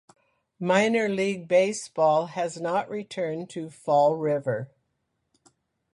Minor league baseball has not returned to Fall River.